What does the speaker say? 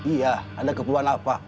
iya ada keperluan apa